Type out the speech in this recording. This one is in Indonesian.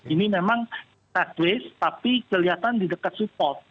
ini memang sideways tapi kelihatan di dekat support